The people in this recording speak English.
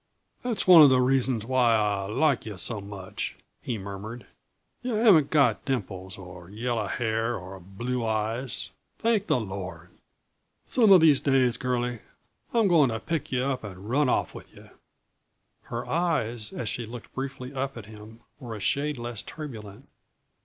"That's one uh the reasons why I like yuh so much," he murmured. "Yuh haven't got dimples or yellow hair or blue eyes thank the Lord! Some uh these days, girlie, I'm going t' pick yuh up and run off with yuh." Her eyes, as she looked briefly up at him, were a shade less turbulent.